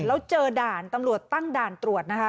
แล้วเจอด่านตำรวจตั้งด่านตรวจนะคะ